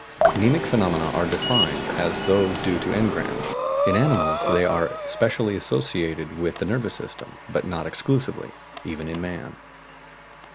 "Mnemic phenomena" are defined as those due to engrams; in animals, they are specially associated with the nervous system, but not exclusively, even in man.